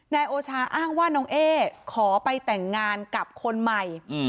นายโอชาอ้างว่าน้องเอ๊ขอไปแต่งงานกับคนใหม่